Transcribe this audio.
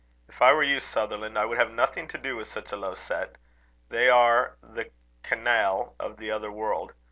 If I were you, Sutherland, I would have nothing to do with such a low set. They are the canaille of the other world.